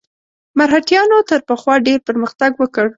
مرهټیانو تر پخوا ډېر پرمختګ وکړ.